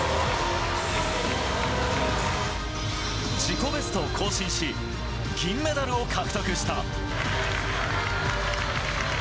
自己ベストを更新し、銀メダルを獲得した。